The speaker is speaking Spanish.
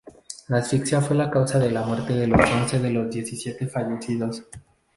La asfixia fue la causa de muerte de once de los diecisiete fallecidos.